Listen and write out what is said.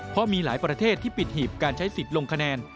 เพราะมีหลายประเทศที่ปิดหีบการใช้สิทธิ์ลงคะแนน